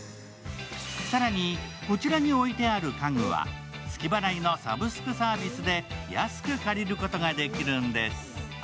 更に、こちらに置いてある家具は月払いのサブスクサービスで安く借りることができるんです。